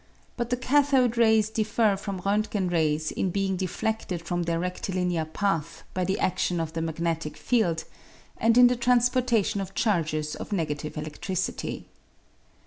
But the cathode rays differ from Rontgen rays in being defleded from their redilinear path by the adion of the magnetic field, and in the transportation of charges of negative eledricity.